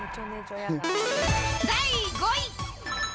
第５位。